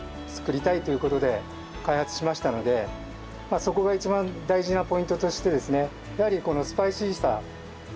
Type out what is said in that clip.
そこが一番大事なポイントとしてですね